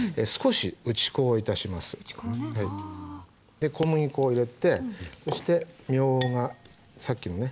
で小麦粉を入れてそしてみょうがさっきのね